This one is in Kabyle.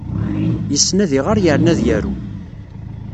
Yessen ad iɣer yerna ad yaru.